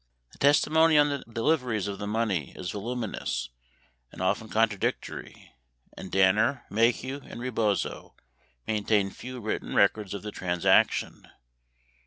The testimony on the deliveries of the money is voluminous and often contradictory, and Danner, Maheu, and Rebozo maintained few written records of the transaction.